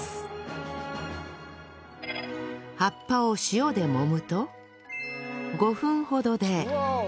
葉っぱを塩で揉むと５分ほどで